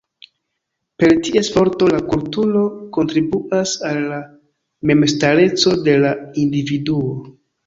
Per ties forto, la kulturo kontribuas al la memstareco de la individuo.